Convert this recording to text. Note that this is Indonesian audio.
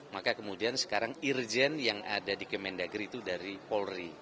maka kemudian sekarang irjen yang ada di kemendagri itu dari polri